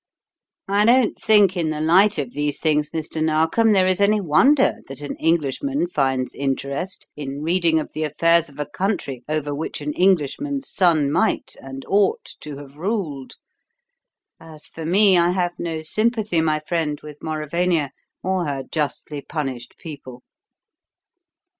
I don't think in the light of these things, Mr. Narkom, there is any wonder that an Englishman finds interest in reading of the affairs of a country over which an Englishman's son might, and ought to, have ruled. As for me, I have no sympathy, my friend, with Mauravania or her justly punished people."